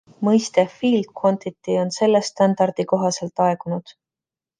Mõiste „field quantity“ on selle standardi kohaselt aegunud.